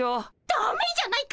だめじゃないか！